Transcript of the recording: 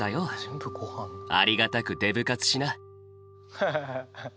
ハハハ。